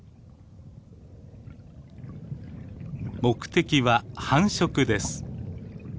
目的は繁殖です。